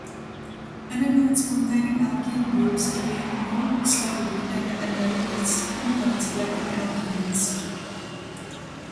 Analytes containing alkene groups elute more slowly that the analogous compounds lacking alkenes.